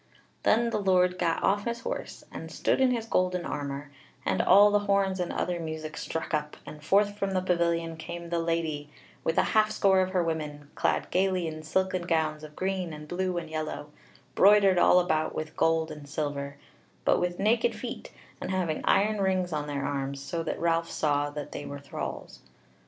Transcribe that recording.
Then the Lord gat off his horse, and stood in his golden armour, and all the horns and other music struck up, and forth from the pavilion came the Lady with a half score of her women clad gaily in silken gowns of green, and blue, and yellow, broidered all about with gold and silver, but with naked feet, and having iron rings on their arms, so that Ralph saw that they were thralls.